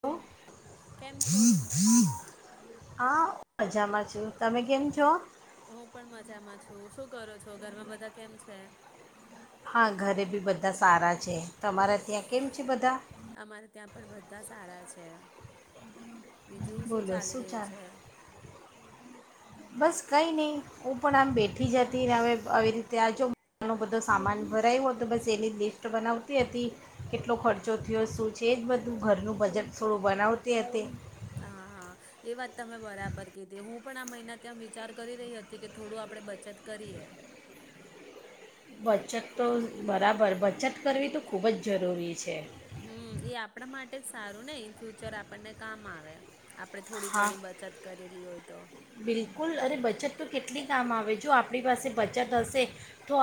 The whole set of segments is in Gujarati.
હ હા કેમ છો. હા મજામાં છું તમે કેમ છો. હું પણ મજામાં છું શું કરો છો ઘરમાં બધા કેમ છે. હા ઘરે બી બધા સારા છે તમારા ત્યાં કેમ છે બધા. અમારે ત્યાં પણ બધા સારા છે. બીજું શું બોલો ચાલી રિયુ ચાલ છે? બસ કંઈ નહીં હું પણ આમ બેઠી જ હતી ને હવે આવી રીતે આ જો બધો સામાન ભરાયવો તો બસ એની લિસ્ટ બનાવતી હતી કેટલો ખર્ચો થયો શું છે જ બધું ઘરનું બજાર થોડું બનાવતી હતી હા હા એ વાત તમે બરાબર કીધી હું પણ, આ મહિના ત્યાં વિચાર કરી રહી હતી કે થોડું આપડે બચત કરીએ. બચત તો બરાબર બચત કરવી તો ખૂબ જ જરૂરી છે હમ, એ આપણા માટે જ સારું ને ઈનફ્યુચર આપણને કામ આવે. આપડે થોડી હા ઘણી બચત કરેલી હોય, તો [unintelligible] બિલકુલ અરે બચત તો કેટલી કામ આવે, જો આપણી પાસે બચત હશે તો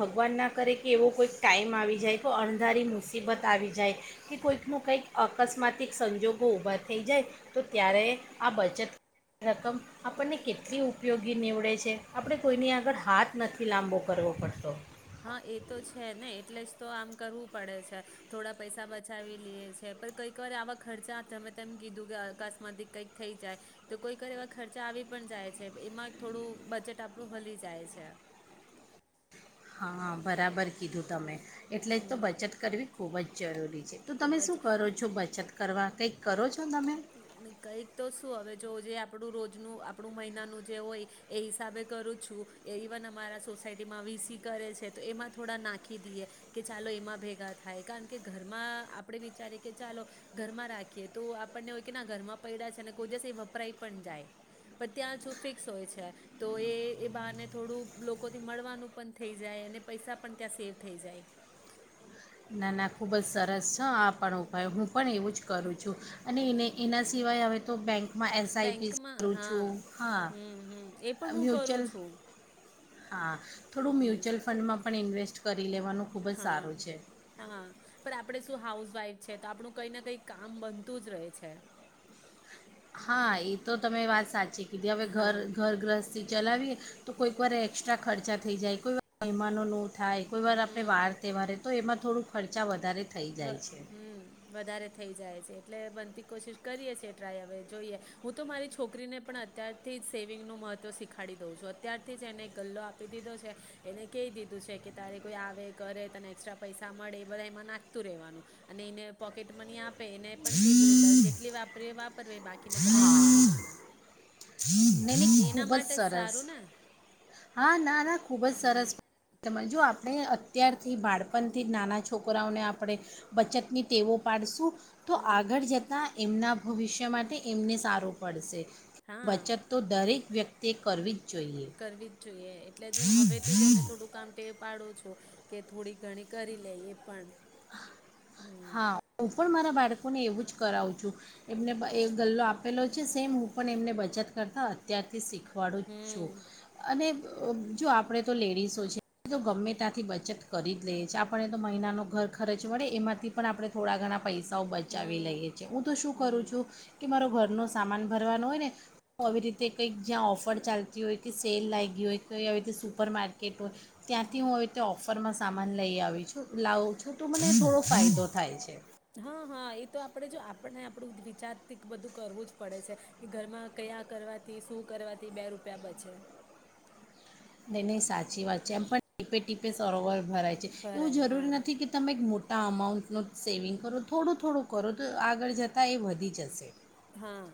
ભગવાન ના કરે કે એવો કોઈક ટાઈમ આવી જાય કો અણધારી મુસીબત આવી જાય કે, કોઈકનું કંઈક અકસ્માતિક સંજોગો ઊભા થઈ જાય તો, ત્યારે આ બચત રકમ આપણને કેટલી ઉપયોગી નીવડે છે. આપણે કોઈની આગળ હાથ નથી લાંબો કરવો પડતો. હા એ તો છે ને, એટલે જ તો આમ કરવું પડે છે. થોડા પૈસા બચાવી લઈએ છે. પણ કઈક વાર આવા ખર્ચા તમે તેમ કીધું કે અકસ્માત કંઈક થઈ જાય તો, કોઈક વાર એવા ખર્ચા આવી પણ જાય છે એમાં થોડું બજેટ આપણું હલી જાય છે. હા બરાબર કીધું તમે એટલે જ હમ તો બચત કરવી ખૂબ જ જરૂરી. છે તો તમે ખૂબ શું જ કરો હું છો બચત? કરવા કંઈક કરો જ? કંઈક તો શું હવે જો જે? આપણું રોજનું આપણું મહિનાનું જે હોય એ હિસાબે કરું છું. એ ઇવન અમારા સોસાયટીમાં વીસી કરે છે તો એમાં થોડા નાખી દઈએ કે ચાલો એમાં ભેગા થાય કારણ કે ઘરમાં આપણે વિચારીએ કે ચાલો ઘરમાં રાખીએ તો આપ આપને હોય કે ના ઘરમાં પડ્યા છે અને કોઈ દિવસ એ વપરાય પણ જાય પણ ત્યાં ફિક્સ હોય છે તો એ બહારને થોડું લોકોથી મળવાનું પણ થઈ જાય અને પૈસા પણ ત્યાં સેવ થઈ જાય ના ના ખૂબ જ સરસ છે, આ પણ ઉપાય હું પણ એવું જ કરું છું અને એને એના સિવાય હવે તો કાંઈક બેંકમાં હા હા હમ હમ એ પણ હું કરું મ્યુચ્યુઅલ છું. હા! થોડુ હમ મ્યચુઅલ ફંડ પણ ઇવેસ્ટ કરી લેવાનું ખૂબ જ હા સારું છે હા પણ આપણે શું હાઉસવાઈફ છે તો, આપણું કઈ ને કઈ કામ બનતું જ રહે છે. હા એ તો તમે વાત સાચી. હા [unintelligible] ઘરગ્રસ્ત ચલાવીએ તો કોઈક વાર એક્સ્ટ્રા ખર્ચા થઈ જાય કોઈ વાર મહેમાનોનો થાય કોઈ વાર આપણે હમ બહાર તહેવારે તો એમાં થોડું ખર્ચા વધે વધારે થઈ બ જાય છે. હમ વધારે થઈ જાય છે એટલે બનતી કોશિશ કરીએ છીએ ટ્રાય હવે જોઈએ હું તો મારી છોકરીને પણ અત્યારથી જ સેવિંગનું મહત્ત્વ શીખાડી દઉં છું અત્યારથી જ એને ગલ્લો આપી દીધો છે એને કહી દીધું છે કે, તારે કોઈ આવે કરે તને એક્સ્ટ્રા પૈસા મળે એ બધા એમાં નાખ વાનું અને એને પોકેટ મની આપે એને પણ કીધું છે ત જેટલીરી વાપર એ બાકીને બધા એમાં નાખવાના એના ખુબ જ માટે સરસ સારું ને હા ના ના ખુબ જ હમ સરસ જો આપણે અત્યારથી બાળપણથી જ નાના છોકરાઓને આપણે બચતની ટેવો પાડશું તો હમ આગળ જતા એમના ભવિષ્ય માટે એમને સારું પડશે. હા બચત તો દરેક વ્યક્તિ કરવી જોઈએ. કરવી જોઈએ એટલે જ હું હવે થી જ એને થોડું કામ ટે પાડું છું. કે થોડી ઘણી કરી લે એ પણ. હમ હા હું પણ મારા બાળકોને એવું જ કરાવું છું, એમને એ ગલ્લો આપેલો છે સેમ હું પણ એમને બચત કરતા અત્યારથી શીખ વાળો જ છો, હમ અને જો આપણે તો લેડીસો છે તો ગમે ત્યાંથી બચત કરી જ લઈએ છીએ આપણને તો મહિનાનો ઘર ખર્ચ વડે એમાંથી પણ આપણે થોડા ઘણા પૈસા બચાવી હમ લઈએ છે હું તો શું હમ કરું છું, કે મારો ઘર ન સામાન ભરવાનો હોય ને, હ આવી રીતે કંઈક જ્યાં ઓફર ચાલતી હોય કે સેલ લાગી હોય કઈ આવી રીતે સુપર માર્કેટ, હોય ત્યાંથી હું આવી રીતે ઓફરમાં સામાન લઈ આવી છું લાવું છું તો મને થોડો ફાયો થાય. થાય છે. હા હા એ તો આપણેે જો આપણને આપણું વિચાર બધું કરવું જ પડે છે, કે ઘરમાં કયા કરવાથી શું કરવાથી બે રૂપિયા બચે. નહી નહી સાચી વાત છે એમ પણ ટીપે ટીપે સરોવર ભરાય છે એવું ભરાય હા જરૂરી નથી કે તમે એક મો ત અમાઉન્ટનું સેવિંગ કરો થોડું થોડું કરો તો આગળ જતાં એ વધી જશે હા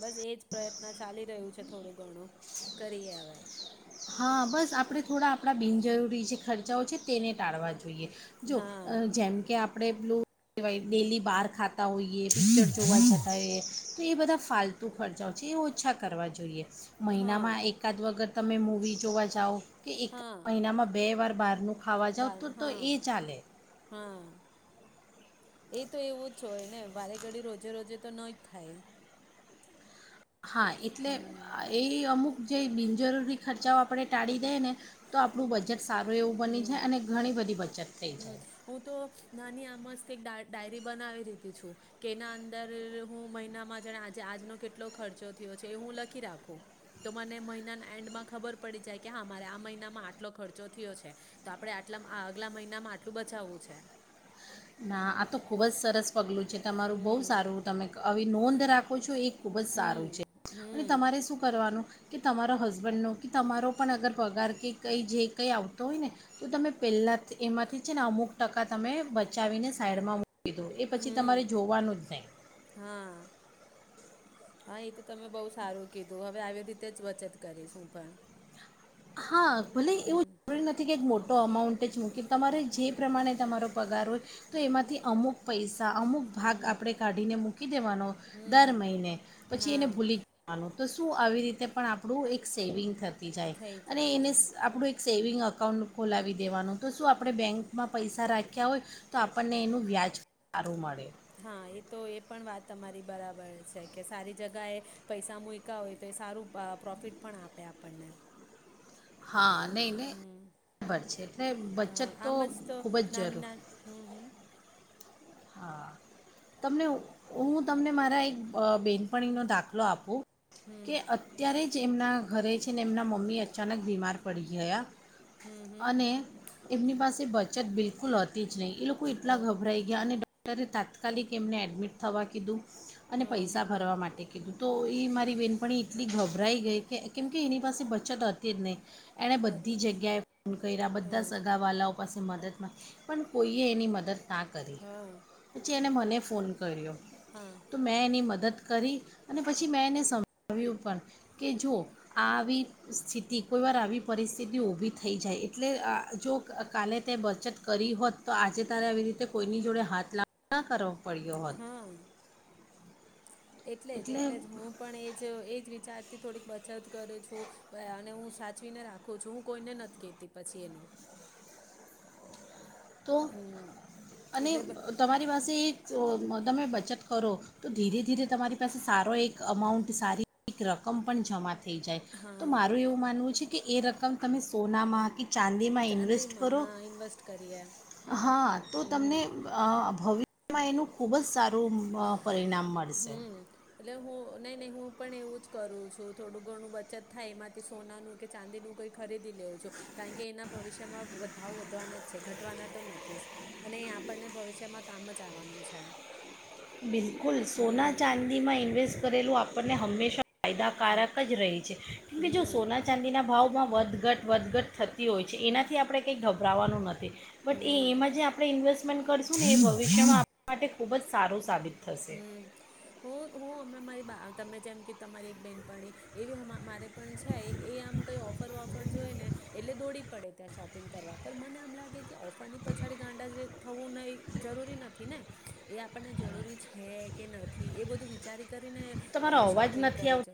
બસ એજ પ્રયત્ન ચાલી રહ્યું છે થોડું ઘણું કરીએ અવે હા બસ આપણે થોડા આપણા બિનજરૂરી જે ખર્ચાઓ છે તેને ટાળવા જોઈએ જો હા જેમ કે આપ આપણે પેલું કહેવાય ડેલી બહાર ખાતા હોઈએ પિક્ચર જોવા જતા હોઈએ તો એ બધા ફાલતુ ખર્ચાઓ છે એ ઓછા કરવા જોઈએ હા મહિનામાં એકાદ વખત તમે મૂ વી જોવા જાઓ કે એક હા મહિનામાં બે વાર બારનું ખાવ ખાવા જાવ બાર તો તો હા એ ચાલે હા એ તો એવું જ હોય ને વારે ઘડી રોજે રોજે તો નહી જ થાય હા એટલે હમ એ અમુક જે બિનજરૂરી ખર્ચાઓ આપણે ટાળી દઈએ ને તો આપણું બજેટ સારું એવું બની છે હમ અને ઘણી બધી બચત થઈ હમ જાય હું તો નાની આ મસ્ત એક ડા ડાયરી બનાવી દીધી છું કે એના અંદર હું મહિનામાં જા આજનો કેટલો ખર્ચો થયો છે એ હું લખી રાખું તો મને મહિનાના એન્ડમાં ખબર પડી જાય કે હા મારે આ મહિનામાં આટલો ખર્ચો થયો છે તો આપે આટલાગલા મહિના નામાં આટલું બચાવવું છે ના આ તો ખુબ જ સરસ પગલું છે તમારું બહુ હમ સારું તમે આવી નોંધ રાખો છો એક- ખુબ જ સારું છે અને હમ તમારે શું કરવાનું. કે તમારો હસબન્ડનો કે તમારો પણ અગર પગાર કે કંઈ જે કંઈ આવતો હોય ને તો તમે પહેલાં એમાંથી છે ને અમુક ટકા તમે બચ પચાવીને સાઈડમાં કીધું એ પછી હમ તમારે જોવાનું જ નહીં હા હા એ તો તમે બઉુ સારું કીધું હવે આવી રીતે જ બચત કરીશું પણ હા ભલે એવું હમ જરૂરી નથી કે મોટું ખટો અમાઉન્ટ જ મૂકે તમારે જે પ્રમાણે તમારો પગાર હોય તો એમાંથી અમુક પૈસા અમુક ભાગ આપણે કાઢીને મૂકી દેવાનો હમ દર મહિને પછી એને હા ભૂલી જવાનો તો શું આવી રીતે પણ આપણું એક સેવિંગ થતું થતી જાય. થઈ થતી એનેશ જાય આપણું એક સેવિંગ અકાઉન્ટ ખોલાવી દેવાનું તો શું આપણે બેંકમાં પૈસા રાખ્યા હોય તો આપણને એનું વ્યાજ પણ સારું મળે હા એ તો એ પણ વાત તમારી બરાબર છે કે સારી જગા એ પૈસા મુકા હોય તો એ સારું અ પ્રોફિટ પણ આપે આપણને હા નહીં નહીં બરાબર છે એટલે બચત હા, તો આમ જ ખૂબ જ નાની જરૂર.. નાની હમ હા તમને હું તમને મારા એક અ બેનપણીનો દાખલો આપું. હમ કે અત્યારે જ એમના ઘરે છે ને એમના મમ્મી અચાનક બીમાર પડી ગયા હમ હમ અને એમની પાસે બચત બિલકુલ હતી નહી એ લોકો ઓ એટલા ગભરાય અને ડોક્ટરે તાત્કાલિક એમને એડમિટ થવા કીધું અને હા પૈસા ભરવા માટે કીધું તો એ મારી બહેનપણી એટલી ગભરાઈ ગઈ કે કેમ કે એની પાસે બચત હતી જ નહીં. એણે બરાબર બધી જગ્યાએ ફોન કર્યા બધા હા સગા વાળાઓ પાસે મદદમાં પણ કોઈએ એની મદદ ના કરી હા પછી એને મને ફોન કર્યો હા તો મેં એની મદદ કરી અને પછી મેં એને સમજાવ્યું પણ કે જો આવી સ્થિતિ કોઈ વાર આવી પરિસ્થિતિ ઉભી થઈ જાય એટલે અ જો કાલે તે બચત કરી હોત તો આજે તારે આવી રીતે કોઈની જોડે હાથ લાગ કરો પરરી્યોત હા એટલે જ એટલે જ હું પણ એજ એજ વિચાર થી થોડીક બચત કરું છું અને હું સાચવીને રાખું છું હું કોઈને નથી કેતી પછી એનું તો હમ અને એટલે બ તમારી પાસે જો તમે બચત કરો તો ધીરે ધીરે તમારી પાસે સારો એક અમાઉન્ટ સારી એક રકમ પણ જમા થ થઈ જાય તો હા મારું એવું માનવું છે કે એ રકમ તમે સોનામાં કે ચાંદીમાં ઇન્વેસ્ટ ચાંદીમાં કરો હા ઇન્વેસ્ટ કરીએ હા તો હમ તમને અ ભવિષ્ય એમાં એનું ખુબ જ સારું પરિણામ મળશે હમ એટલે હું નહી નહી હું પણ એવું જ કરું છું થોડું ઘણું બચત થાય એમાંથી સોનાનું કે ચાંદીનું કઈ ખરીદી લેઉું છું કારણ કે એના ભવિષ્યમાં ભાવ વધવાના જ છે ઘટવાના તો નથી જ અને એ આપણને ભવિષ્યમાં કામ જ આવવાનું છે બિલકુલ સોના હમ ચાંદીમાં ઇન્વેસ્ટ કરેલું આપ આપણને હંમેશા ફાયદાકારક જ રહી છે કેમ કે જો હમ સોના ચાંદીના ભાવ માં વધઘટ વધઘટ થતી હોય છે એનાથી આપણે કંઈ ગભરાવાનું નથી બટ એ હમ એમાં જે આપણે ઇન્વેસ્ટ ઇન્વેસ્ટમેન્ટ કરશું ને એ ભવિષ્યમાં આપના માટે ખુબ જ સારું સાબિત થશે હમ હું હું હમણાં મારી તમે જેમ કે તમારી એક બેહેનપણી એવી મારે પણ છે એ આમ કંઈ ઓફર વોફર જોઈ ને એટલે દોડી પડે ત્યાં શોપિંગ કરવા પર મને આમ લાગે કે ઓફરની પછાડી ગાંડા જે થવું ને એ જરૂરી નથી ને એ આપણને જરૂરી છે હે કે નથી એ બધું વિચારી કરીને તમારો અવાજ શોપિંગ નથી આવતો કરીજ